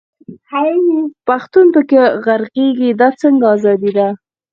پښتون په کښي غرقېږي، دا څنګه ازادي ده.